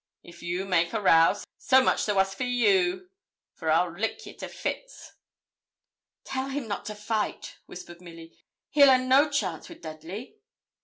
If you make a row, so much the wuss for you, for I'll lick ye to fits.' 'Tell him not to fight,' whispered Milly; 'he'll a no chance wi' Dudley.'